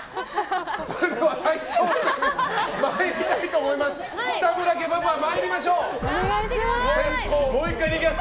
それでは再挑戦参りたいと思います。